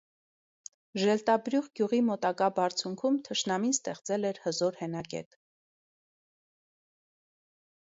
Ժելտաբրյուխ գյուղի մոտակա բարձունքում թշնամին ստեղծել էր հզոր հենակետ։